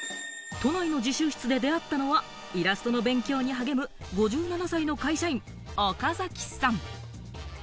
都内の自習室で出会ったのは、イラストの勉強に励む５７歳の会社員・岡崎さん。